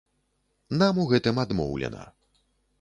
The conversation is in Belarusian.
Нам у гэтым адмоўлена.